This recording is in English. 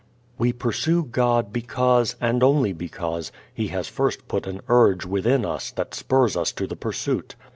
We pursue God because, and only because, He has first put an urge within us that spurs us to the pursuit.